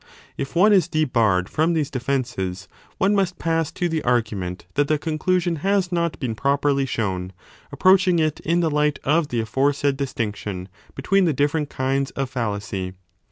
If one is debarred from these defences one must pass to the argument that the conclusion has not been properly shown, approaching it in the light of the aforesaid distinction between the different kinds of fallacy.